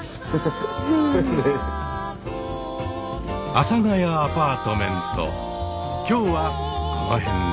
「阿佐ヶ谷アパートメント」今日はこのへんで。